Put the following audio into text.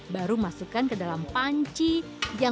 baru masukkan ke dalam pancuran